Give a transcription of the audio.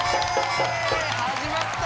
始まった！